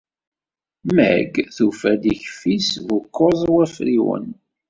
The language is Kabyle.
Meg tufa-d ikeffis bu kuẓ wafriwen.